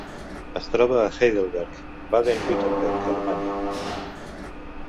Es troba a Heidelberg, Baden-Württemberg, Alemanya.